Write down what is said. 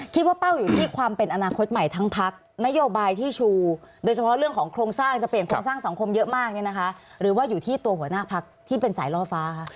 เป้าอยู่ที่ความเป็นอนาคตใหม่ทั้งพักนโยบายที่ชูโดยเฉพาะเรื่องของโครงสร้างจะเปลี่ยนโครงสร้างสังคมเยอะมากเนี่ยนะคะหรือว่าอยู่ที่ตัวหัวหน้าพักที่เป็นสายล่อฟ้าค่ะ